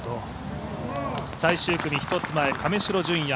最終組１つ前、亀代順哉